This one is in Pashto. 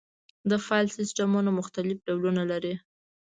د فایل سیستمونه مختلف ډولونه لري.